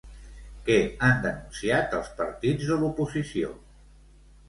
Què han denunciat els partits de l'oposició?